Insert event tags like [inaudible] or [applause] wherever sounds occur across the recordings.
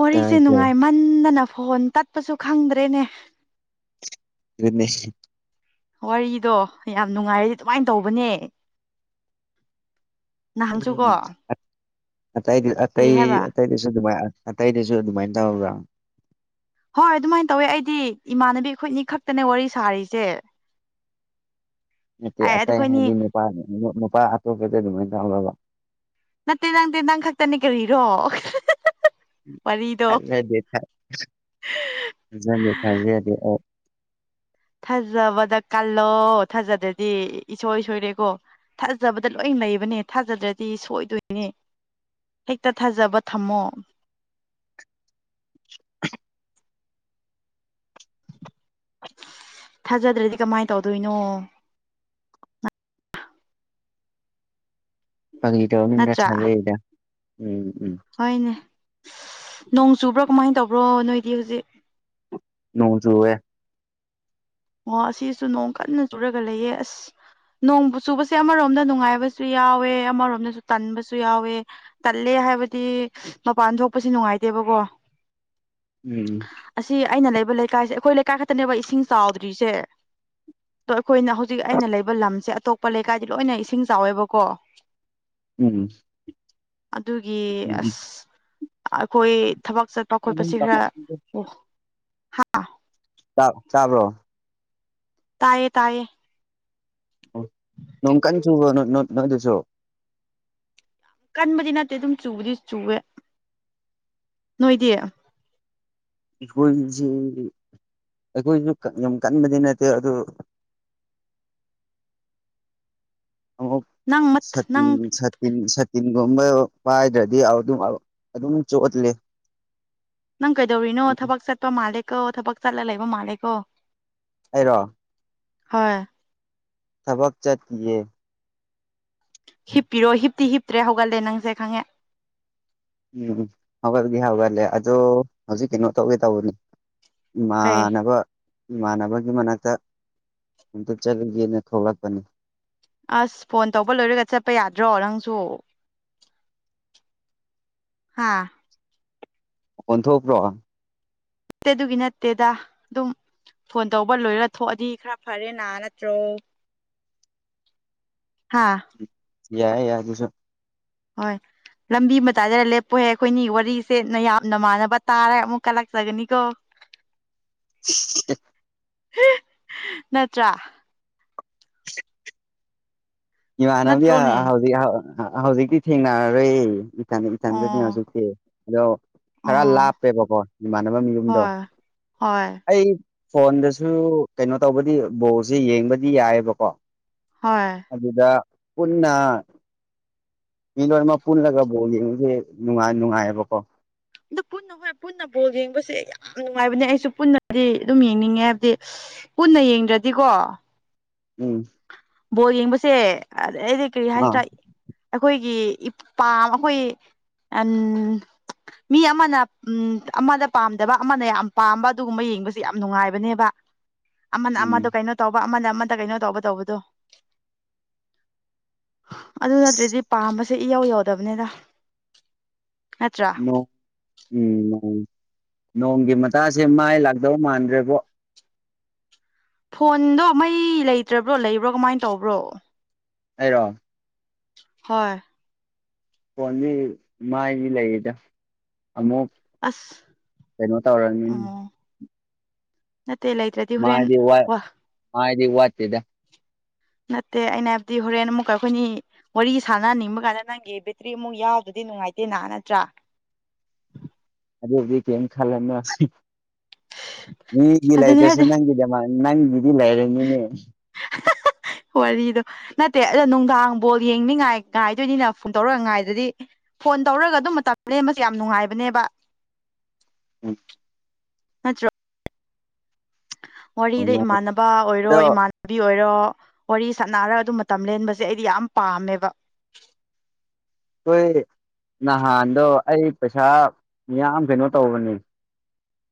ꯋꯥꯔꯤꯁꯦ ꯇꯥꯏ ꯅꯨꯡꯉꯥꯏꯃꯟꯗꯅ ꯐꯣꯟ ꯇꯠꯄꯁꯨ ꯈꯪꯗ꯭ꯔꯦꯅꯦ ꯑꯗꯨꯅꯤ ꯋꯥꯔꯤꯗꯣ ꯌꯥꯝ ꯅꯨꯡꯉꯥꯏꯔꯗꯤ ꯑꯗꯨꯃꯥꯏꯅ ꯇꯧꯕꯅꯦ ꯅꯍꯥꯟꯁꯨꯀꯣ ꯎꯝ ꯑꯇꯩ ꯀꯔꯤ ꯑꯇꯩ ꯍꯥꯏꯕ ꯑꯇꯩ ꯗꯁꯨ ꯑꯗꯨꯃꯥꯏ ꯑꯇꯩꯗꯁꯨ ꯑꯗꯨꯃꯥꯏꯅ ꯇꯧꯕ꯭ꯔꯥ ꯍꯣꯏ ꯑꯗꯨꯃꯥꯏꯅ ꯇꯧꯋꯦ ꯑꯩꯗꯤ ꯏꯃꯥꯟꯅꯕꯤ ꯑꯩꯈꯣꯏꯅꯤ ꯈꯛꯇꯅꯦ ꯋꯥꯔꯤ ꯁꯥꯔꯤꯁꯦ ꯅꯠꯇꯦ ꯑꯦ ꯑꯇꯩ ꯑꯩꯈꯣꯏꯅꯤ ꯍꯥꯏꯗꯤ ꯅꯨꯄꯥ ꯅꯨꯄꯥ ꯑꯇꯣꯞꯄꯗ ꯑꯗꯨꯃꯥꯏꯅ [unintelligible] ꯅꯠꯇꯦ ꯅꯪꯇꯦ ꯅꯪ ꯈꯛꯇꯅꯦ ꯀꯔꯤꯔꯣ ꯋꯥꯔꯤꯗꯣ ꯊꯥꯖꯗꯦ ꯊꯥ ꯊꯥꯖꯗꯦ ꯊꯥꯖꯗꯦ [unintelligible] ꯊꯥꯖꯕꯗ ꯀꯜꯂꯣ ꯊꯥꯖꯗꯔꯗꯤ ꯏꯁꯣꯏ ꯁꯣꯏꯔꯦꯀꯣ ꯊꯥꯖꯕꯗ ꯂꯣꯏ ꯂꯩꯕꯅꯦ ꯊꯥꯖꯗ꯭ꯔꯗꯤ ꯁꯣꯏꯗꯣꯏꯅꯦ ꯍꯦꯛꯇ ꯊꯥꯖꯕ ꯊꯝꯃꯣ ꯊꯥꯖꯗ꯭ꯔꯗꯤ ꯀꯃꯥꯏꯅ ꯇꯧꯗꯣꯏꯅꯣ ꯐꯒꯤ ꯇꯧꯕꯅꯤꯗ ꯅꯠꯇ꯭ꯔꯥ ꯊꯥꯖꯩꯗ ꯎꯝ ꯎꯝ ꯍꯣꯏꯅꯦ ꯅꯣꯡ ꯆꯨꯕ꯭ꯔꯣ ꯀꯃꯥꯏꯅ ꯇꯧꯕ꯭ꯔꯣ ꯅꯣꯏꯗꯤ ꯍꯧꯖꯤꯛ ꯅꯣꯡ ꯆꯨꯋꯦ ꯑꯣ ꯑꯁꯤꯁꯨ ꯅꯣꯡ ꯀꯟꯅ ꯆꯨꯔꯒ ꯂꯩꯌꯦ ꯑꯁ ꯅꯣꯡꯕꯨ ꯆꯨꯕꯁꯦ ꯑꯃꯔꯣꯝꯗ ꯅꯨꯡꯉꯥꯏꯕꯁꯨ ꯌꯥꯎꯋꯦ ꯑꯃꯔꯣꯝꯗꯁꯨ ꯇꯟꯕꯁꯨ ꯌꯥꯎꯋꯦ ꯇꯜꯂꯦ ꯍꯥꯏꯕꯗꯤ ꯃꯄꯥꯟ ꯊꯣꯛꯄꯁꯤ ꯅꯨꯡꯉꯥꯏꯇꯦꯕꯀꯣ ꯎꯝ ꯑꯁꯤ ꯑꯩꯅ ꯂꯩꯕ ꯂꯩꯀꯥꯏꯁꯦ ꯑꯩꯈꯣꯏ ꯂꯩꯀꯥꯏ ꯈꯛꯇꯅꯦꯕ ꯏꯁꯤꯡ ꯆꯥꯎꯗ꯭ꯔꯤꯁꯦ ꯑꯗꯣ ꯑꯩꯈꯣꯏꯅ ꯍꯧꯖꯤꯛ ꯑꯩꯅ ꯂꯩꯕ ꯂꯝꯁꯦ ꯑꯇꯣꯞꯄ ꯂꯩꯀꯥꯏꯗꯤ ꯂꯣꯏꯅ ꯏꯁꯤꯡ ꯆꯥꯎꯋꯦꯕꯀꯣ ꯎꯝ ꯑꯗꯨꯒꯤ ꯎꯝ ꯑꯁ ꯑꯩꯈꯣꯏ ꯊꯕꯛ ꯆꯠ ꯄ ꯑꯗꯨꯝ ꯈꯣꯠꯄꯁꯤ ꯈꯔ ꯑꯣ ꯍꯥ ꯆꯥꯛ ꯆꯥꯕ꯭ꯔꯣ ꯇꯥꯏꯌꯦ ꯇꯥꯏꯌꯦ ꯅꯣꯡꯀꯟ ꯆꯨꯕ꯭ꯔꯣ ꯅꯣꯏꯗꯁꯨꯣ ꯀꯟꯕꯗꯤ ꯅꯠꯇꯦ ꯑꯗꯨꯝ ꯆꯨꯕꯗꯤ ꯆꯨꯋꯦ ꯅꯣꯏꯗꯤ ꯑꯩꯈꯣꯏꯁꯤ ꯑꯩꯈꯣꯏꯁꯨ ꯌꯥꯝ ꯀꯟꯕꯗꯤ ꯅꯠꯇꯦ ꯑꯗꯨ ꯑꯃ ꯅꯪ ꯅꯪ ꯁꯇꯤꯟ ꯁ ꯇꯤꯟ ꯁꯥꯇꯤꯟꯒꯨꯝꯕ ꯄꯥꯏꯗ꯭ꯔꯗꯤ ꯑꯗꯨꯝ ꯆꯣꯠꯂꯤ ꯅꯪ ꯀꯩꯗꯧꯔꯤꯅꯣ ꯊꯕꯛ ꯆꯠꯄ ꯃꯥꯜꯂꯦ ꯀꯣ ꯊꯕꯛ ꯆꯠꯂ ꯂꯩꯕ ꯃꯥꯜꯂꯦꯀꯣ ꯑꯩꯔꯣ ꯍꯣꯏ ꯊꯕꯛ ꯆꯠꯇꯤꯌꯦ ꯍꯤꯞꯄꯤꯔꯣ ꯍꯤꯞꯇꯤ ꯍꯤꯞꯇ꯭ꯔꯦ ꯍꯧꯒꯠꯂꯦ ꯅꯪꯁꯦ ꯈꯪꯉꯦ ꯎꯝ ꯍꯧꯒꯠꯗꯤ ꯍꯒꯠꯂꯦ ꯑꯗꯣ ꯍꯧꯖꯤꯛ ꯀꯩꯅꯣ ꯇꯧꯒꯦ ꯇꯧꯕꯅꯤ ꯀꯩ ꯏꯃꯥꯅꯕ ꯏꯃꯥꯟꯅꯕꯒꯤ ꯃꯅꯥꯛꯇ ꯑꯃꯝꯇ ꯆꯠꯂꯨꯒꯦꯅ ꯊꯣꯛꯂꯛꯄꯅꯦ ꯑꯁ ꯐꯣꯟ ꯇꯧꯕ ꯂꯣꯏꯔꯒ ꯆꯠꯄ ꯌꯥꯗ꯭ꯔꯣ ꯅꯪꯁꯨ ꯍꯥꯥ ꯑꯣꯟꯊꯣꯛꯄ꯭ꯔꯣ ꯅꯠꯇꯦ ꯑꯗꯨꯒꯤ ꯅꯠꯇꯦꯗ ꯑꯗꯨꯝ ꯐꯣꯟ ꯇꯧꯕ ꯂꯣꯏꯔ ꯊꯣꯛꯑꯗꯤ ꯈꯔ ꯐꯔꯦꯅꯥ ꯅꯠꯇ꯭ꯔꯣ ꯍꯥꯥ ꯌꯥꯏ ꯌꯥ ꯑꯗꯨꯁꯨ ꯍꯣꯏ ꯂꯝꯕꯤ ꯃꯇꯥꯏꯗꯒ ꯂꯦꯞꯄꯨꯍꯦ ꯑꯩꯈꯣꯏꯅꯤ ꯋꯥꯔꯤꯁꯦ ꯅꯌꯥꯝ ꯅꯃꯥꯟꯅꯕ ꯇꯥꯔ ꯑꯃꯨꯛ ꯀꯂꯛꯆꯒꯅꯤꯀꯣ [inaudible] [unintelligible] ꯅꯠꯇ꯭ꯔꯥ ꯏꯃꯥꯟꯕꯗꯤ ꯅꯠꯇ꯭ꯔꯣꯅꯦ ꯍꯧꯖꯤꯛ ꯍꯧꯖꯤꯛꯇꯤ ꯊꯦꯡꯅꯔꯔꯣꯏ ꯏꯊꯟ ꯏꯊꯟꯗꯅꯦ ꯑꯣ ꯍꯧꯖꯤꯛꯇꯤ ꯑꯗꯣ ꯈꯔ ꯑꯣ ꯂꯥꯞꯄꯦꯕꯀꯣ ꯏꯃꯥꯟꯅꯕ ꯃꯌꯨꯝꯗꯣ ꯍꯣꯏ ꯍꯣꯏ ꯑꯩ ꯐꯣꯟꯗꯁꯨ ꯀꯩꯅꯣ ꯇꯧꯕꯗꯤ ꯕꯣꯜꯁꯤ ꯌꯦꯡꯕꯗꯤ ꯌꯥꯏꯌꯦꯕꯀꯣ ꯍꯣꯏ ꯑꯗꯨꯗ ꯄꯨꯟꯅ ꯃꯤ ꯂꯣꯟ ꯑꯃ ꯄꯨꯜꯂꯒ ꯕꯣꯜ ꯌꯦꯡꯕꯁꯦ ꯅꯨꯡꯉꯥꯏ ꯅꯨꯡꯉꯥꯏꯌꯦꯕꯀꯣ ꯑ ꯄꯨꯟꯅ ꯍꯣꯏ ꯄꯨꯟꯅ ꯕꯣꯜ ꯌꯦꯡꯕꯁꯦ ꯌꯥꯝ ꯅꯨꯡꯉꯥꯏꯕꯅꯦ ꯑꯩꯁꯨ ꯄꯨꯟꯅꯗꯤ ꯑꯗꯨꯝ ꯌꯦꯡꯅꯤꯡꯉꯦ ꯍꯥꯏꯕꯗꯤ ꯄꯨꯟꯅ ꯌꯦꯡꯗ꯭ꯔꯗꯤꯀꯣ ꯎꯝ ꯕꯣ ꯌꯦꯡꯕꯁꯦ ꯑꯩꯗꯤ ꯀꯔꯤ ꯍꯥꯏꯁꯤ ꯑꯥ ꯑꯩꯈꯣꯏꯒꯤ ꯏꯄꯥꯝ ꯑꯩꯈꯣꯏ ꯎ ꯃꯤ ꯑꯃꯅ ꯎ ꯑꯃꯗ ꯄꯥꯝꯗꯕ ꯑꯃꯅ ꯌꯥꯝ ꯄꯥꯝꯕ ꯑꯗꯨꯒꯨꯝꯕ ꯌꯦꯡꯕꯁꯦ ꯌꯥꯝ ꯅꯨꯡꯉꯥꯏꯕꯅꯦꯕ ꯑꯃꯅ ꯑꯃꯗ ꯎꯝ ꯀꯩꯅꯣ ꯇꯧꯕ ꯑꯃꯅ ꯑꯃꯗ ꯀꯩꯅꯣ ꯇꯧꯕ ꯇꯧꯕꯗꯣ ꯑꯗꯨ ꯅꯠꯇ꯭ꯔꯗꯤ ꯄꯥꯝꯕꯁ ꯁꯤꯦ ꯏꯌꯥꯎ ꯌꯥꯎꯗꯕꯅꯦꯗ ꯅꯠꯇ꯭ꯔ ꯎꯝ ꯅꯣꯡꯒꯤ ꯃꯇꯥꯁꯦ ꯃꯥꯏ ꯂꯥꯛꯇꯧ ꯃꯥꯟꯗ꯭ꯔꯦꯕꯣ ꯐꯣꯟꯗꯣ ꯃꯩ ꯂꯩꯇ꯭ꯔꯕ꯭ꯔꯣ ꯂꯩꯕ꯭ꯔꯣ ꯀꯃꯥꯏꯅ ꯇꯧꯕ꯭ꯔꯣ ꯑꯩꯔꯣ ꯍꯣꯏ ꯐꯣꯟꯗꯤ ꯃꯥꯏꯗꯤ ꯂꯩꯌꯦꯗ ꯑꯃꯨꯛ ꯑꯁ ꯀꯩꯅꯣ ꯇꯧꯔꯅꯤ ꯎꯝ ꯃꯠꯇꯂꯗꯦ ꯃꯥꯗꯤ ꯋꯥ ꯃꯥꯗꯤ ꯍ ꯋꯥꯠꯗ ꯅꯠꯇꯦ ꯑꯩꯅ ꯍꯥꯏꯕꯗꯤ ꯍꯣꯔꯦꯟ ꯑꯃꯨꯛꯀ ꯑꯩꯈꯣꯏꯅꯤ ꯋꯥꯔꯤ ꯁꯥꯟꯅꯍꯟꯅꯤꯡꯕ ꯀꯥꯟꯗ ꯅꯪꯒꯤ ꯕꯦꯇ꯭ꯔꯤ ꯑꯃꯨꯛ ꯌꯥꯎꯕꯗꯨꯗꯤ ꯅꯨꯡꯉꯥꯏꯇꯦꯅ ꯅꯠꯇ꯭ꯔꯥ ꯑꯗꯨꯕꯨꯗꯤ ꯀꯩꯝ ꯈꯜꯂꯅꯣ ꯃꯤꯒꯤ ꯑꯗꯨꯅꯦ ꯂꯩꯇ꯭ꯔꯁꯨ ꯍꯥꯏꯗꯤ ꯅꯪꯒꯤꯗꯃ ꯅꯪꯒꯤꯗꯤ ꯂꯩꯔꯅꯤꯅꯦ ꯍ ꯋꯥꯔꯤꯗꯣ ꯅꯠꯇꯦ ꯑꯗꯣ ꯅꯨꯡꯗꯥꯡ ꯕꯣꯜ ꯌꯦꯡꯅꯤꯡꯉꯥꯏ ꯉꯥꯏꯗꯣꯏꯅꯤꯅ ꯐꯣꯟ ꯇꯧꯔꯛ ꯉꯥꯏꯗꯗꯤ ꯐꯣꯟ ꯇꯧꯔꯒ ꯑꯗꯨꯝ ꯃꯇꯝꯅꯦ ꯃꯁꯤ ꯌꯥꯝ ꯅꯨꯡꯉꯥꯏꯕꯅꯦꯕ ꯃ ꯆ ꯋꯥꯔꯤꯗ ꯏꯃꯥꯟꯅꯕ ꯑꯗꯣ ꯑꯣꯏꯔꯣꯥꯟ ꯥꯕꯤ ꯑꯣꯏꯔꯣ ꯋꯥꯔꯤ ꯁꯅꯔꯒ ꯑꯗꯨꯝ ꯃꯇꯝ ꯂꯦꯟꯕꯁꯦ ꯑꯩꯗꯤ ꯌꯥꯝ ꯄꯥꯝꯃꯦꯕ ꯍꯣꯏ ꯅꯍꯥꯟꯗꯣ ꯑꯩ ꯄꯩꯁꯥ ꯌꯥꯝ ꯀꯩꯅꯣ ꯇꯧꯕꯅꯦ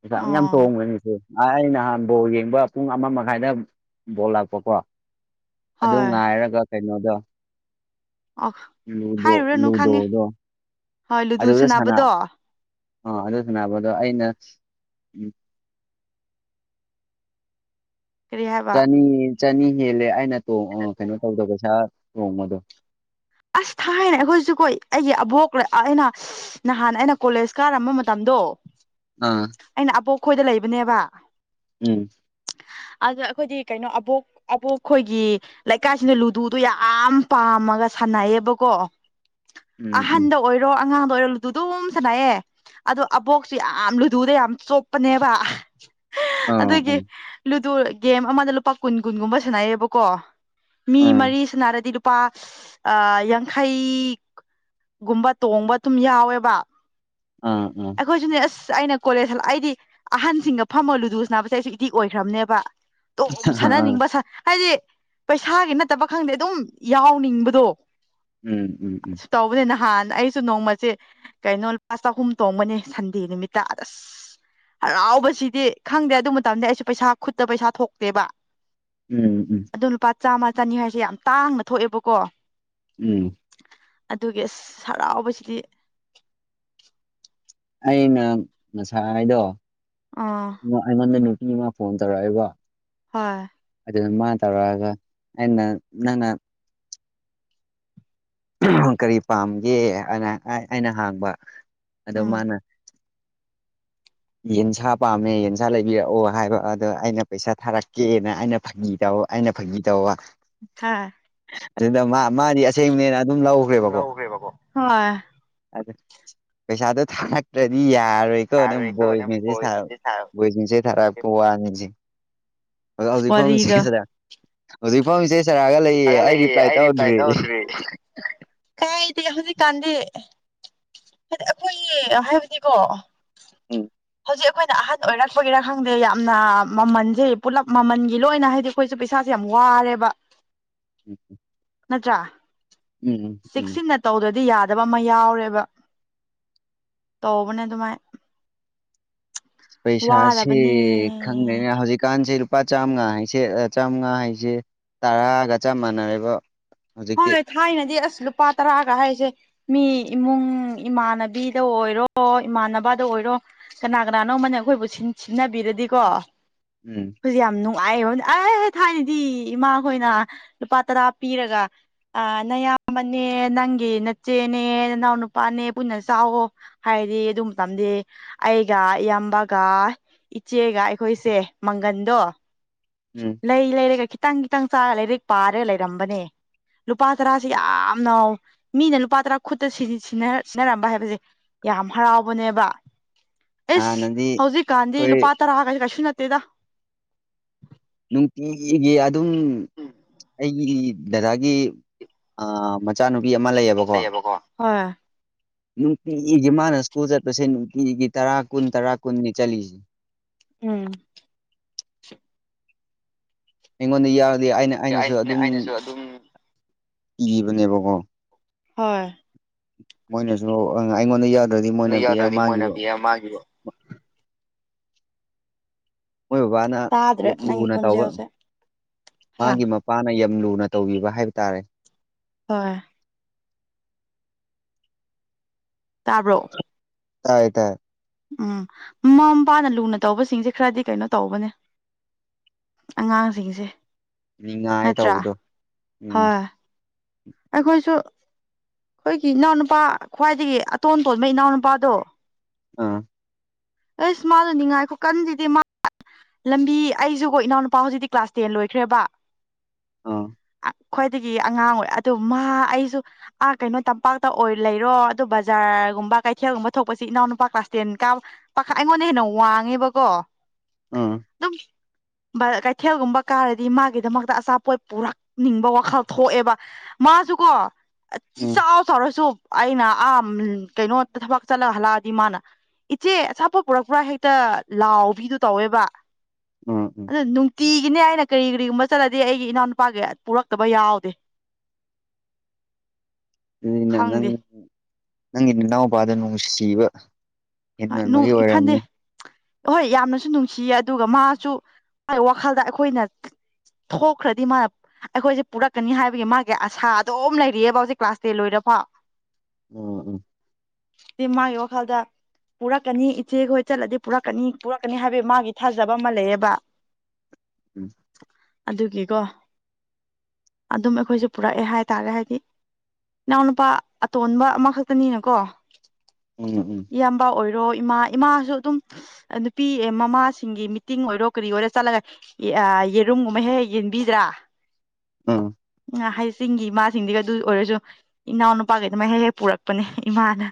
ꯄꯩꯁꯥ ꯑꯣ ꯌꯥꯝ ꯇꯣꯡꯕꯅꯤꯁꯦ ꯑ ꯑꯩ ꯅꯍꯥꯟ ꯕꯣꯜ ꯌꯦꯡꯕ ꯄꯨꯡ ꯑꯃ ꯃꯈꯥꯏꯗ ꯕꯣꯜ ꯂꯥꯛꯄꯀꯣ ꯑꯗꯨ ꯍꯣꯏ ꯉꯥꯏꯔꯒ ꯀꯩꯅꯣꯗꯣ ꯑꯣ ꯂꯨꯗꯣ ꯍꯥꯏꯔꯨꯔꯅꯨ ꯈꯪꯉꯦ ꯂꯨꯗꯣꯗꯣ ꯍꯣꯏ ꯂꯨꯗꯨ ꯑꯗꯨꯗ ꯁ ꯁꯥꯟꯅꯕꯗꯣ ꯑꯥ ꯑꯗꯨ ꯁꯥꯟꯅꯕ ꯑꯗꯣ ꯑꯩꯅ ꯎ ꯀꯔꯤ ꯍꯥꯏꯕ ꯆꯅꯤ ꯆꯅꯤ ꯍꯦꯜꯂꯦ ꯑꯩꯅ ꯀꯩꯅꯣ ꯇꯧꯗꯕ ꯄꯩꯁꯥ ꯇꯣꯡꯕꯗꯣ ꯑꯁ ꯊꯥꯏꯅ ꯑꯩꯈꯣꯏꯁꯨ ꯀꯣꯏ ꯑꯩꯒꯤ ꯑꯕꯣꯛ ꯑꯩꯅ ꯅꯍꯥꯟ ꯑꯩꯅ ꯀꯣꯂꯦꯖ ꯀꯥꯔꯝꯕ ꯃꯇꯝꯗꯣ ꯑꯥ ꯑꯩꯅ ꯑꯄꯣꯛ ꯈꯣꯏꯗ ꯂꯩꯕꯅꯦꯕ ꯎꯝ ꯑꯗ ꯑꯩꯈꯣꯏꯗꯤ ꯀꯩꯅꯣ ꯑꯕꯣꯛ ꯑꯕꯨ ꯑꯩꯈꯣꯏꯒꯤ ꯂꯩꯀꯥꯏꯁꯤꯅ ꯂꯨꯗꯨꯗꯣ ꯌꯥꯝ ꯄꯥꯝꯃꯒ ꯁꯥꯟꯅꯩꯌꯦꯕꯀꯣ ꯎꯝ ꯎꯝ ꯑꯍꯟꯗ ꯑꯣꯏꯔꯣ ꯑꯉꯥꯡꯗ ꯑꯣꯏꯔꯣ ꯑꯗꯨ ꯑꯗꯨꯝ ꯁꯥꯟꯅꯌꯦꯦ ꯑꯗꯣ ꯑꯕꯣꯛꯁꯨ ꯌꯥꯝ ꯂꯨꯗꯨꯗ ꯌꯥꯝ ꯆꯣꯞꯄꯅꯦꯕ ꯑꯥ ꯑꯗꯨꯒꯤ ꯎꯝ ꯂꯨꯗ ꯒꯦꯝ ꯑꯃꯗ ꯂꯨꯄꯥ ꯀꯨꯟ ꯀꯨꯟꯒꯨꯝꯕ ꯁꯥꯟꯅꯩꯌꯦꯕꯀꯣ ꯃꯤ ꯑꯥ ꯃꯔꯤ ꯁꯥꯅꯔꯗꯤ ꯂꯨꯄꯥ ꯌꯥꯡꯈꯩ ꯒꯨꯝꯕ ꯇꯣꯡꯕ ꯑꯗꯨꯝ ꯌꯥꯎꯋꯦꯕ ꯑꯥ ꯎ ꯑꯩꯈꯣꯏꯁꯨꯅꯦ ꯑꯁ ꯑꯩꯅ ꯀꯣꯂꯦꯖ ꯑꯩꯗꯤ ꯑꯍꯟꯁꯤꯡꯒ ꯐꯝꯃ ꯂꯨꯗꯣꯁ ꯁꯥꯅꯕꯁꯦ ꯑꯩꯁꯨ ꯑꯦꯗꯤꯛ ꯑꯣꯏꯈ꯭ꯔꯕꯅꯦꯕ ꯑꯗꯨꯝ ꯑꯥ ꯑꯥ ꯁꯥꯟꯅꯅꯤꯡꯕ ꯍꯥꯏꯗꯤ ꯄꯩꯁꯥꯒꯤ ꯅꯠꯇꯕ ꯈꯪꯗꯦ ꯑꯗꯨꯝ ꯌꯥꯎꯅꯤꯡꯕꯗꯣ ꯎꯝ ꯎꯝ ꯑꯁ ꯇꯧꯕꯅꯦ ꯅꯍꯥꯟ ꯑꯩꯁꯨ ꯅꯣꯡꯃꯁꯦ ꯀꯩꯅꯣ ꯂꯨꯄꯥ ꯆꯍꯨꯝ ꯇꯣꯡꯕꯅꯦ ꯁꯟꯗꯦ ꯅꯨꯃꯤꯠꯇ ꯑꯁ ꯍꯔꯥꯎꯕꯁꯤꯗꯤ ꯈꯪꯗꯦ ꯑꯗꯨ ꯃꯇꯝꯗꯤ ꯑꯩꯁꯨ ꯄꯩꯁꯥ ꯈꯨꯠꯇ ꯄꯩꯁꯥ ꯊꯣꯛꯇꯦꯕ ꯎꯝ ꯎꯝ ꯑꯗꯣ ꯂꯨꯄꯥ ꯆꯥꯝꯃ ꯆꯅꯤ ꯍꯥꯏꯁꯦ ꯌꯥꯝ ꯇꯥꯡꯅ ꯊꯣꯛꯑꯦꯕꯀꯣ ꯎꯝ ꯑꯗꯨꯒꯤ ꯑꯁ ꯍꯔꯥꯎꯕꯁꯤꯗꯤ ꯑꯩꯅ ꯉꯁꯥ ꯍꯥꯏꯗꯣ ꯑꯥ ꯑꯩꯉꯣꯟꯗ ꯅꯨꯄꯤ ꯃꯥ ꯐꯣꯟ ꯇꯧꯔꯛꯑꯦꯀꯣ ꯍꯣꯏ ꯑꯗꯨꯅ ꯃꯥ ꯇꯧꯔꯛꯑꯒ ꯑꯩꯅ ꯅꯪꯅ ꯀꯔꯤ ꯄꯥꯝꯒꯦꯅ ꯑꯩꯅ ꯍꯣꯕ ꯑꯗꯣ ꯎꯝ ꯃꯥꯅ ꯌꯦꯟꯁꯥ ꯄꯥꯝꯃꯦ ꯌꯦꯟꯁꯥ ꯂꯩꯕꯤꯔꯛꯑꯣ ꯍꯥꯏꯕ ꯑꯗꯣ ꯑꯩꯅ ꯄꯩꯁꯥ ꯊꯥꯔꯛꯀꯦꯅ ꯑꯩꯅ ꯐꯥꯒꯤ ꯇꯧ ꯑꯩꯅ ꯐꯥꯒꯤ ꯇꯧꯕ ꯍꯥꯥ ꯑꯗꯨꯗ ꯃꯥ ꯃꯥꯗꯤ ꯑꯁꯦꯡꯕꯅꯦꯅ ꯑꯗꯨꯝ ꯂꯧꯈ꯭ꯔꯦꯕꯀꯣ ꯑꯗꯨ ꯄꯩꯁꯥꯗꯣ ꯊꯥꯔꯛꯇ꯭ꯔꯗꯤ ꯌꯥꯔꯣꯏꯀꯣ ꯅ ꯁꯥꯔꯣꯏꯀꯣ ꯕꯣꯏꯁ ꯅꯪ ꯃꯦꯁꯦꯁ ꯊꯥꯔꯛ ꯕꯣꯏꯒꯤꯗꯤ ꯁꯥꯔꯣꯏ ꯚꯣꯏꯁ ꯃꯤꯁꯦꯁ ꯊꯔꯛꯄ ꯋꯥꯅꯤꯁꯦ ꯑꯗꯣ ꯍꯧꯖꯤꯛ ꯐꯥꯎ ꯋꯥꯔꯤꯗꯣ ꯃꯤꯁꯦꯁ [unintelligible] ꯍꯧꯖꯤꯛ ꯐꯥꯎ ꯃꯤꯁꯦꯁ ꯊꯦꯔꯛꯑꯒ ꯂꯩ ꯑꯦ ꯑꯩ ꯔꯤꯄ꯭ꯂꯥꯏ ꯇꯧꯗ꯭ꯔꯤ ꯀꯥꯏ ꯑꯩꯗꯤ ꯍꯧꯖꯤꯛ ꯀꯥꯟꯗꯤ ꯍꯥꯏꯗꯤ ꯑꯩꯈꯣꯏꯒꯤ ꯍꯥꯏꯕꯗꯤꯀꯣ ꯎꯝ ꯍꯧꯖꯤꯛ ꯑꯩꯈꯣꯏꯅ ꯑꯍꯟ ꯑꯣꯏꯔꯛꯄꯒꯤꯔꯥ ꯈꯪꯗꯦ ꯌꯥꯝꯅ ꯃꯃꯜꯁꯦ ꯄꯨꯂꯞ ꯃꯃꯜꯒꯤ ꯂꯣꯏꯅ ꯍꯥꯏꯗꯤ ꯑꯩꯈꯣꯏꯁꯨ ꯄꯩꯁꯥꯁꯦ ꯌꯥꯝ ꯋꯥꯔꯦꯕ [unintelligible] ꯅꯠꯇ꯭ꯔꯥ ꯎꯝ ꯎꯝ ꯆꯦꯛꯁꯤꯟꯅ ꯇꯧꯗ꯭ꯔꯗꯤ ꯌꯥꯗꯕ ꯑꯃ ꯌꯥꯎꯔꯦꯕ ꯇꯧꯕꯅꯦ ꯑꯗꯨꯃꯥꯏ ꯄꯩꯁꯥꯁꯤ ꯋꯥꯔꯕꯅꯦ ꯈꯪꯗꯦꯅ ꯍꯧꯖꯤꯛꯀꯥꯟꯁꯤ ꯂꯨꯄꯥ ꯆꯥꯝꯃꯉꯥ ꯍꯥꯏꯁꯦ ꯆꯥꯝꯃꯉꯥ ꯍꯥꯏꯁꯦ ꯇꯔꯥꯒ ꯆꯞ ꯃꯥꯟꯅꯔꯦꯕ ꯍꯧꯖꯤꯛꯇꯤ ꯍꯣꯏ ꯊꯥꯏꯅꯗꯤ ꯑꯁ ꯂꯨꯄꯥ ꯇꯔꯥꯒ ꯍꯥꯏꯁꯦ ꯃꯤ ꯏꯃꯨꯡ ꯏꯃꯥꯟꯅꯕꯤꯗ ꯑꯣꯏꯔꯣ ꯏꯃꯥꯟꯅꯕꯗ ꯑꯣꯏꯔꯣ ꯀꯅꯥ ꯀꯅꯥꯅꯣꯝꯃꯅ ꯑꯩꯈꯣꯏꯕꯨ ꯁꯤꯟꯅꯕꯤꯔꯗꯤꯀꯣ ꯎꯝ ꯑꯩꯈꯣꯏꯖꯦ ꯌꯥꯝ ꯅꯨꯡꯉꯥꯏꯕ ꯑ ꯊꯥꯏꯅꯗꯤ ꯏꯃꯥꯈꯣꯏꯅ ꯂꯨꯄꯥ ꯇꯔꯥ ꯄꯤꯔꯒ ꯑ ꯅꯌꯥꯝꯕꯅꯦ ꯅꯪꯒꯤ ꯅꯆꯦꯅꯦ ꯅꯅꯥꯎ ꯅꯨꯄꯥꯅꯦ ꯄꯨꯟꯅ ꯆꯥꯎꯑꯣ ꯍꯥꯏꯗꯤ ꯑꯗꯨ ꯃꯇꯝꯗꯤ ꯑꯩꯒ ꯏꯌꯥꯝꯕꯒ ꯏꯆꯦꯒ ꯑꯩꯈꯣꯏꯁꯦ ꯃꯪꯒꯟꯗꯣ ꯎꯝ ꯂꯩ ꯂꯩꯔꯒ ꯈꯤꯇꯪ ꯈꯤꯇꯪ ꯆꯥꯔꯒ ꯂꯥꯏꯔꯤꯛ ꯄꯥꯔꯒ ꯂꯩꯔꯝꯕꯅꯦ ꯂꯨꯄꯥ ꯇꯔꯥꯁꯤ ꯌꯥꯝꯅ ꯃꯤꯅ ꯂꯨꯄꯥ ꯇꯔꯥ ꯈꯨꯠꯇ ꯁꯤꯁꯤ ꯁꯤꯟꯅꯔꯝꯕ ꯍꯥꯏꯕꯁꯦ ꯌꯥꯝ ꯍꯔꯥꯎꯕꯅꯦꯕ ꯑꯦꯁ ꯍꯥꯟꯅꯗꯤ ꯍꯧꯖꯤꯛꯀꯥꯟꯗꯤ ꯑꯩꯈꯣꯏ ꯂꯨꯄꯥ ꯇꯔꯥꯒꯁꯦ ꯀꯩꯁꯨ ꯅꯠꯇꯦꯗ ꯅꯨꯡꯇꯤꯒꯤ ꯑꯗꯨꯝ ꯑꯩꯒꯤ ꯗꯥꯗꯥꯒꯤ ꯑ ꯃꯆꯥꯅꯨꯄꯤ ꯑꯃ ꯂꯩꯌꯦꯕꯀꯣ ꯂꯩꯌꯦꯕꯀꯣ ꯍꯣꯏ ꯅꯨꯡꯇꯤꯒꯤ ꯃꯥꯅ ꯁ꯭ꯀꯨꯜ ꯆꯠꯄꯁꯦ ꯅꯨꯡꯇꯤꯒꯤ ꯇꯔꯥ ꯀꯨꯟ ꯇꯔꯥ ꯀꯨꯟꯅꯤ ꯆꯠꯂꯤꯁꯦ ꯎꯝ ꯑꯩꯉꯣꯟꯗ ꯌꯥꯔꯗꯤ ꯑꯩꯅ ꯑꯩꯅꯁꯨ ꯑꯗꯨꯝ ꯑꯩꯅꯁꯨ ꯑꯗꯨꯝ ꯄꯤꯕꯅꯦꯕꯀꯣ ꯍꯣꯏ ꯃꯣꯏꯅꯁꯨ ꯑꯩꯉꯣꯟꯗ ꯌꯥꯎꯗ꯭ꯔꯗꯤ ꯃꯣꯏꯅ ꯅꯣꯏ ꯄꯤ ꯌꯥꯎꯗ꯭ꯔꯗꯤ ꯃꯥꯒꯤꯣ [unintelligible] ꯃꯣꯏ ꯕꯕꯥꯅ ꯇꯥꯗ꯭ꯔꯦ ꯌꯥꯝ ꯅꯪꯒꯤ ꯂꯨꯅ ꯇꯕ ꯈꯣꯟꯖꯦꯜꯁꯦ ꯍꯥ ꯃꯥꯒꯤ ꯅꯨꯄꯥꯅ ꯌꯥꯝ ꯂꯨꯅ ꯇꯧꯕꯤꯕ ꯍꯥꯏꯕ ꯇꯥꯔꯦ ꯍꯣꯏ ꯇꯥꯕ꯭ꯔꯣ ꯑ ꯇꯥꯏ ꯇꯥꯏ ꯎꯝ ꯃꯃꯥ ꯃꯄꯥꯅ ꯂꯨꯅ ꯇꯧꯕꯁꯤꯡꯁꯦ ꯈꯔꯗꯤ ꯀꯩꯅꯣ ꯇꯧꯕꯅꯦ ꯑꯉꯥꯡꯁꯤꯡꯁꯦ ꯅꯤꯡꯉꯥꯏ ꯇꯧꯕꯗꯣ ꯍ ꯎꯝ ꯑꯩꯈꯣꯏꯁꯨ ꯑꯩꯈꯣꯏꯒꯤ ꯏꯅꯥꯎꯅꯨꯄꯥ ꯈ꯭ꯋꯥꯏꯗꯒꯤ ꯑꯇꯣꯟ ꯇꯣꯟꯕ ꯏꯅꯥꯎꯅꯨꯄꯥꯗꯣ ꯑꯥ ꯑꯁ ꯃꯥꯜꯂꯨꯅꯤꯉꯥꯏꯈꯣ ꯀꯟꯗꯤ ꯃꯥ ꯂꯝꯕꯤ ꯑꯩꯁꯨꯀꯣ ꯏꯅꯥꯎꯅꯨꯄꯥ ꯍꯧꯖꯤꯛꯇꯤ ꯀ꯭ꯂꯥꯁ ꯇꯦꯟ ꯂꯣꯏꯈ꯭ꯔꯦꯕ ꯑ ꯈ꯭ꯋꯥꯏꯗꯒꯤ ꯑꯉꯥꯡ ꯑꯣꯏ ꯑꯗꯨ ꯃꯥ ꯑꯩꯁꯨ ꯑꯥ ꯀꯩꯅꯣ ꯇꯝꯄꯥꯛꯇ ꯑꯣꯏ ꯂꯩꯔꯣ ꯑꯗꯨꯣ ꯕꯖꯥꯔꯒꯨꯝꯕ ꯀꯩꯊꯦꯜꯒꯨꯝꯕ ꯊꯣꯛꯄꯁꯤ ꯏꯅꯥꯎꯅꯨꯄꯥ ꯀ꯭ꯂꯥꯁ ꯇꯦꯟ ꯀꯥꯕ ꯄꯥꯈꯥ ꯑꯩꯉꯣꯟꯗꯩꯩ ꯍꯦꯟꯅ ꯋꯥꯡꯉꯦꯕꯀꯣ ꯎꯟ ꯑꯗꯨꯝ ꯀꯩꯊꯦꯜꯒꯨꯝꯕ ꯀꯥꯔꯗꯤ ꯃꯥꯒꯤꯗꯃꯛꯇ ꯑꯆꯥꯄꯣꯠ ꯄꯨꯔꯛꯅꯤꯡꯕ ꯋꯥꯈꯜ ꯊꯣꯛꯑꯦꯕ ꯃꯥꯁꯨꯀꯣ ꯎꯝ ꯆꯥꯎ ꯇꯧꯔꯁꯨ ꯑꯩꯅ ꯑꯥ ꯀꯩꯅꯣ ꯊꯕꯛ ꯆꯠꯂꯒ ꯍꯜꯂꯛꯑꯗꯤ ꯃꯥꯅ ꯏꯆꯦ ꯑꯆꯥꯥꯄꯠ ꯄꯨꯔꯛꯄ꯭ꯔꯥ ꯍꯦꯛꯇ ꯂꯥꯎꯕꯤꯗꯨ ꯇꯧꯋꯦꯕ ꯎꯝ ꯎꯝ ꯑꯗꯨꯗ ꯇꯤꯒꯤꯅꯦ ꯑꯩꯅ ꯀꯔꯤ ꯀꯔꯤꯒꯨꯝꯕ ꯆꯠꯂꯗꯤ ꯑꯩꯒꯤ ꯏꯅꯥꯎꯅꯨꯄꯥꯒꯤ ꯄꯨꯔꯛꯇꯕ ꯌꯥꯎꯗꯦ ꯑꯩꯅ ꯅꯪ ꯈꯪꯗꯦ ꯅꯪꯒꯤ ꯅꯅꯥꯎꯄꯥꯗ ꯅꯨꯡꯁꯤꯕ ꯏꯃꯒꯤ ꯑꯣꯏꯔꯅꯦ ꯑꯍꯣꯏ ꯌꯥꯝꯅꯁꯨ ꯅꯨꯡꯁꯤꯌꯦ ꯑꯗꯨꯒ ꯃꯥꯁꯨ ꯃꯥꯒꯤ ꯋꯥꯈꯜꯗ ꯑꯩꯈꯣꯏꯅ ꯊꯣꯛꯈ꯭ꯔꯗꯤ ꯃꯥ ꯑꯩꯈꯣꯏꯁꯦ ꯄꯨꯔꯛꯀꯅꯤ ꯍꯥꯏꯕꯒꯤ ꯃꯥꯒꯤ ꯑꯁꯥ ꯑꯗꯨꯝ ꯂꯩꯔꯤꯑꯌꯦꯕ ꯍꯧꯖꯤꯛ ꯀ꯭ꯂꯥꯁ ꯇꯦꯟ ꯂꯣꯏꯔꯐꯥꯎ ꯎꯝ ꯎꯝ ꯃꯥꯒꯤ ꯋꯥꯈꯜꯗ ꯄꯨꯔꯛꯀꯅꯤ ꯏꯆꯦꯈꯣꯏ ꯆꯠꯂꯗꯤ ꯄꯨꯔꯛꯀꯅꯤ ꯄꯨꯔꯛꯀꯅꯤ ꯍꯥꯏꯕꯒꯤ ꯃꯥꯒꯤ ꯊꯥꯖꯕ ꯑꯃ ꯂꯩꯑꯕ [inaudible] ꯎꯝ ꯑꯗꯨꯒꯤꯀꯣ ꯑꯗꯨꯝ ꯑꯩꯈꯣꯏꯁꯨ ꯄꯨꯔꯛꯑꯦ ꯍꯥꯏꯇꯥꯔꯦ ꯍꯥꯏꯗꯤ ꯏꯅꯥꯎꯅꯨꯄꯥ ꯑꯇꯣꯟꯕ ꯑꯃꯈꯛꯇꯅꯤꯅꯀꯣ ꯎꯝ ꯎꯝ ꯏꯄꯥ ꯑꯣꯏꯔꯣ ꯏꯃꯥ ꯏꯃꯥꯁꯨ ꯑꯗꯨꯝ ꯅꯨꯄꯤ ꯃꯃꯥꯁꯤꯡꯒꯤ ꯃꯤꯇꯤꯡ ꯑꯣꯏꯔꯣ ꯀꯔꯤ ꯑꯣꯏꯔꯣ ꯆꯠꯂꯒ ꯌꯦꯔꯨꯝꯒꯨꯝꯕ ꯍꯦꯛ ꯌꯦꯟꯕꯤꯗ꯭ꯔꯥ ꯎꯝ ꯍꯩ ꯆꯤꯡꯒꯤ ꯏꯃꯥꯁꯤꯡꯁꯤꯒ ꯑꯗꯨ ꯑꯣꯏꯔꯁꯨ ꯏꯅꯥꯎ ꯅꯨꯄꯥꯈꯩ ꯑꯗꯨꯃꯥꯏ ꯍꯦꯛ ꯍꯦꯛ ꯄꯨꯔꯛꯄꯅꯦ ꯏꯃꯥꯅ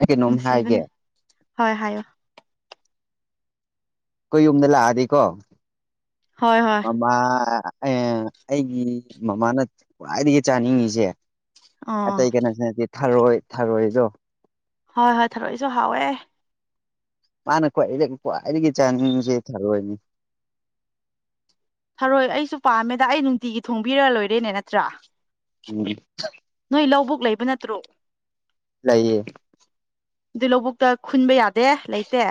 ꯑꯩ ꯀꯩꯅꯣꯝ ꯍꯥꯏꯒꯦ ꯅꯨꯡꯁꯤꯕꯅꯦ ꯍꯣꯏ ꯍꯥꯏꯌꯣ ꯀꯣꯏ ꯌꯨꯝꯗ ꯂꯥꯛꯑꯗꯤꯀꯣ ꯍꯣꯏ ꯍꯣꯏ ꯃꯃꯥ ꯑꯦ ꯑꯩꯒꯤ ꯃꯃꯥꯅ ꯈ꯭ꯋꯥꯏꯗꯒꯤ ꯆꯥꯅꯤꯡꯉꯤꯁꯦ ꯑꯣ ꯑꯇꯩ ꯀꯩꯅꯣꯁꯤꯅꯗꯤ ꯊꯥꯔꯣꯏ ꯊꯥꯔꯣꯏꯗꯣ ꯍꯣꯏ ꯍꯣꯏ ꯊꯥꯔꯛꯏꯁꯨ ꯍꯥꯎꯋꯦ ꯃꯥꯅ ꯈ꯭ꯋꯥꯏꯗꯒꯤ ꯈ꯭ꯋꯥꯏꯗꯒꯤ ꯆꯥꯅꯤꯡꯁꯦ ꯊꯥꯔꯣꯏꯅꯤ ꯊꯥꯔꯣꯏ ꯑꯩꯁꯨ ꯄꯥꯝꯃꯦꯗ ꯑꯩ ꯅꯨꯡꯇꯤꯒꯤ ꯊꯣꯡꯕꯤꯔ ꯂꯣꯏꯔꯦꯅꯦ ꯅꯠꯇ꯭ꯔꯥ [unintelligible] ꯅꯣꯏ ꯂꯧꯕꯨꯛ ꯂꯩꯕ ꯅꯠꯇ꯭ꯔꯣ ꯂꯩꯏꯌꯦ ꯑꯗꯨ ꯂꯧꯕꯨꯛꯇ ꯈꯨꯟꯕ ꯌꯥꯗꯦ ꯂꯩꯇꯦ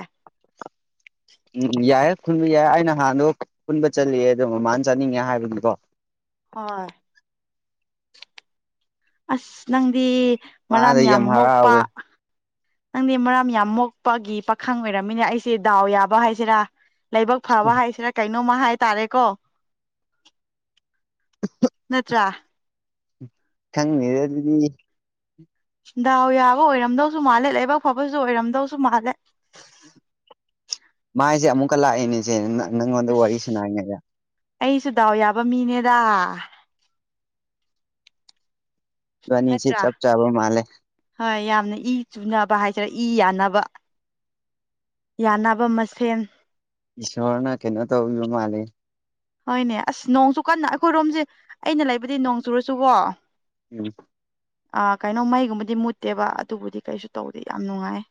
ꯎꯝ ꯌꯥꯏ ꯈꯨꯟꯕ ꯌꯥꯏ ꯑꯩꯅ ꯅꯍꯥꯟꯗꯣ ꯈꯨꯟꯕ ꯆꯠꯂꯤ ꯑꯗꯣ ꯃꯃꯥꯅ ꯆꯠꯅꯤꯡꯉꯦ ꯍꯥꯏꯕꯒꯤꯀꯣ ꯍꯣꯏ ꯑꯁ ꯅꯪꯗꯤ ꯃꯔꯥ ꯃꯥꯗ ꯌꯥꯝ ꯃꯣꯛꯄ ꯍꯔꯥꯎꯋꯦ ꯅꯪꯗꯤ ꯃꯔꯥ ꯌꯥꯝ ꯃꯣꯛꯄꯒꯤ ꯄꯥꯈꯪ ꯑꯣꯏꯔꯝꯃꯤꯅꯦ ꯑꯩꯁꯦ ꯗꯥꯎ ꯌꯥꯕ ꯍꯥꯏꯁꯤꯔꯥ ꯂꯥꯏꯕꯛ ꯐꯕ ꯍꯥꯏꯁꯤꯔꯥ ꯀꯩꯅꯣꯝꯃ ꯍꯥꯏ ꯇꯔꯦꯀꯣ ꯅꯠꯇ꯭ꯔ ꯈꯪꯗꯦꯗ ꯑꯗꯨꯗꯤ ꯗꯥꯎ ꯌꯥꯕ ꯑꯣꯏꯔꯝꯗꯧꯁꯨ ꯃꯥꯜꯂꯦ ꯂꯥꯏꯕꯛ ꯐꯕꯁꯨ ꯑꯣꯏꯔꯝꯗꯧꯁꯨ ꯃꯥꯜꯂꯦ ꯃꯥꯏꯁꯦ ꯑꯃꯨꯛꯀ ꯂꯥꯛꯏꯅꯦꯁꯦ ꯅꯪꯉꯣꯟꯗ ꯋꯥꯔꯤ ꯑꯁ ꯁꯥꯟꯅꯔꯤꯉꯩꯗ ꯑꯩꯁꯨ ꯗꯥꯎ ꯌꯥꯕ ꯃꯤꯅꯦꯗ ꯏꯕꯅꯤꯁꯤ ꯅꯠꯇ꯭ꯔꯥ ꯆꯞ ꯆꯥꯕ ꯃꯥꯂꯦ ꯍꯣꯏ ꯌꯥꯝꯅ ꯏ ꯆꯨꯅꯕ ꯍꯥꯏꯁꯤꯔ ꯏ ꯌꯥꯅꯕ ꯌꯥꯅꯕ ꯃꯁꯦꯟ ꯏꯁꯣꯔꯅ ꯀꯩꯅꯣ ꯇꯧꯕꯤꯕ ꯃꯥꯜꯂꯦ ꯍꯣꯏꯅꯦ ꯑꯁ ꯅꯣꯡꯁꯨꯨ ꯀꯟꯅ ꯑꯩꯈꯣꯏꯔꯣꯝꯁꯦ ꯑꯩꯅ ꯂꯩꯕꯗꯤ ꯅꯣꯡ ꯆꯨꯔꯁꯨꯀꯣ ꯎꯝ ꯑꯥ ꯀꯩꯅꯣ ꯃꯩꯒꯨꯝꯕꯗꯤ ꯃꯨꯠꯇꯦꯕ ꯑꯗꯨꯕꯨꯗꯤ ꯀꯩꯁꯨ ꯇꯧꯗꯦ ꯌꯥꯝ ꯅꯨꯡꯉꯥꯏ